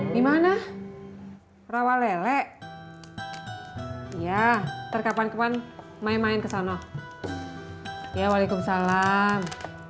dimana rawa lele ya terkapan kapan main main ke sana ya waalaikumsalam